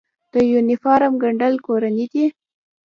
د یونیفورم ګنډل کورني دي؟